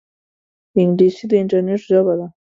انګلیسي د انټرنیټ ژبه ده